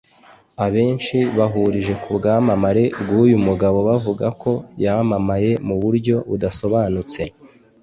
abenshi bahurije kubwamamare bw’uyu mugabo bavuga ko yamamaye mu buryo budasobanutse